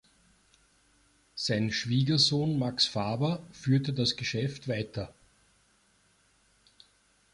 Sein Schwiegersohn Max Faber führte das Geschäft weiter.